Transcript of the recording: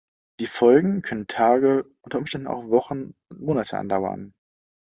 Die Folgen können Tage, unter Umständen auch Wochen und Monate andauern.